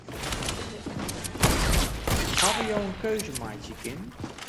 Hawwe jo in keuze meitsje kinnen?